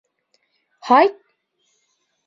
Һайт!